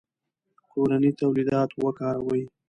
کورني تولیدات وکاروئ.